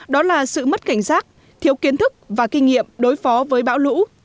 đó là sự mất cảnh giác thiếu kiến thức và kinh nghiệm đối phó với bão lũ